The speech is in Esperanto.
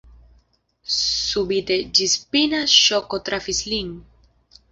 Subite ĝisspina ŝoko trafis lin.